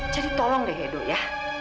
jadi tolong deh edo ya